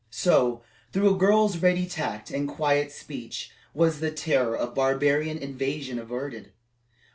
So, through a girl's ready tact and quiet speech, was the terror of barbarian invasion averted.